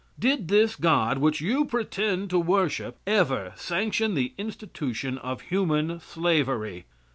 Did this God, which you pretend to worship, ever sanction the institution of human slavery?